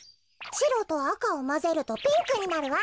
しろとあかをまぜるとピンクになるわ。